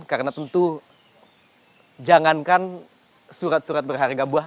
karena tentu jangankan surat surat berharga buah